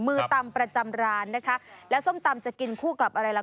มือตำประจำร้านนะคะแล้วส้มตำจะกินคู่กับอะไรล่ะ